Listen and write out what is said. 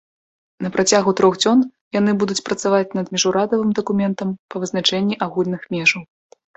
На працягу трох дзён яны будуць працаваць над міжурадавым дакументам па вызначэнні агульных межаў.